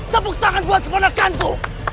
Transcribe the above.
tepuk tangan buat kemenekan itu